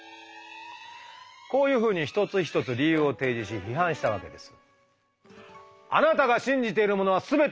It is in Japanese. こういうふうに一つ一つ理由を提示し批判したわけです。